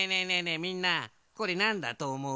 みんなこれなんだとおもう？